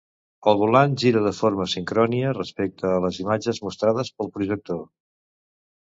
El volant gira de forma sincronia respecte a les imatges mostrades pel projector.